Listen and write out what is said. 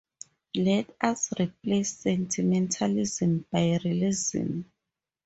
Let us replace sentimentalism by realism.